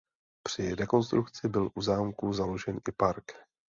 Při rekonstrukci byl u zámku založen i park.